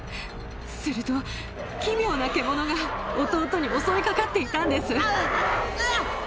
すると、奇妙な獣が弟に襲いかかっていたんです。